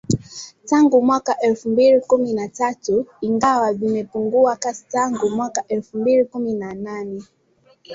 Tangu mwaka elfu mbili kumi na tatu ingawa vimepungua kasi tangu mwaka elfu mbili kumi na nane